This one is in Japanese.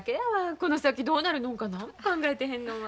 この先どうなるのんか何も考えてへんのんは。